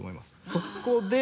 そこで。